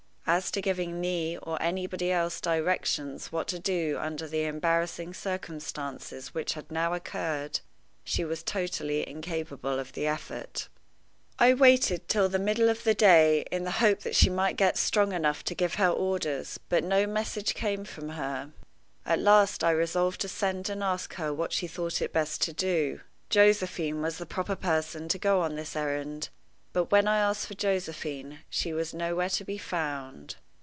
As to giving me or anybody else directions what to do under the embarrassing circumstances which had now occurred, she was totally incapable of the effort. I waited till the middle of the day, in the hope that she might get strong enough to give her orders; but no message came from her. At last I resolved to send and ask her what she thought it best to do. Josephine was the proper person to go on this errand; but when I asked for Josephine, she was nowhere to be found.